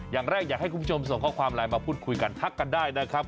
อย่างแรกอยากให้คุณผู้ชมส่งข้อความไลน์มาพูดคุยกันทักกันได้นะครับ